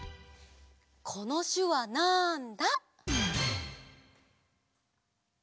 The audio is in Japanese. このしゅわなんだ？